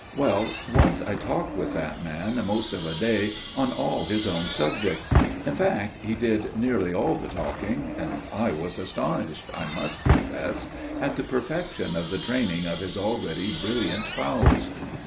Well, once I talked with that man most of a day on all his own subjects; in fact, he did nearly all the talking, and I was astonished, I must confess, at the perfection of the training of his already brilliant powers.